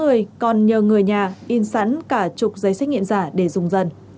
người còn nhờ người nhà in sẵn cả chục giấy xét nghiệm giả để dùng dần